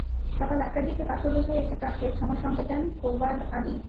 সকাল আটটার দিকে পাথরবোঝাই একটি ট্রাককে থামার সংকেত দেন কোবাদ আলী।